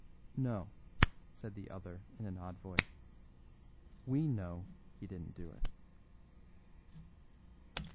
"No," said the other in an odd voice; "we know he didn't do it."